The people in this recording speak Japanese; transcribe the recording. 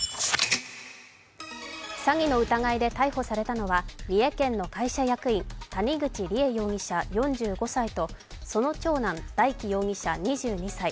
詐欺の疑いで逮捕されたのは三重県の会社役員、谷口梨恵容疑者４５歳とその長男・大祈容疑者、２２歳。